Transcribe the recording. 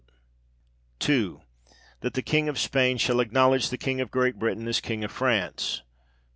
That the King of Spain shall acknowledge the King of Great Britain as King of France.